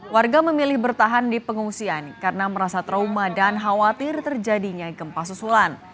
warga memilih bertahan di pengungsian karena merasa trauma dan khawatir terjadinya gempa susulan